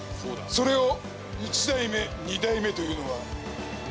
それを１題目２題目と言うのは。